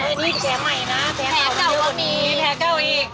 นี่แก่ใหม่นะแพ้เก่าก็มีแพ้เก่าอีก